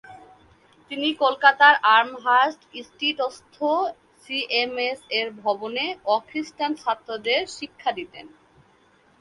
তিনি কলকাতার আমহার্স্ট স্টীটস্থ সিএমএস-এর ভবনে অ-খ্রিস্টান ছাত্রদের শিক্ষা দিতেন।